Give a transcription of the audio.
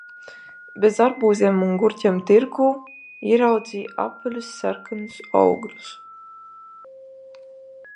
Bez arbūziem un gurķiem tirgū ieraudzīju apaļus sarkanus augļus.